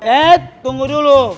eek tunggu dulu